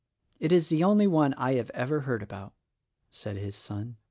"It is the only one I have ever heard about," said his son.